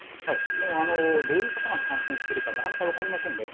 どういう方が感染しているかなかなか分かりませんね。